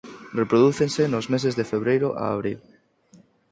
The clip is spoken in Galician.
Reprodúcese nos meses de febreiro a abril.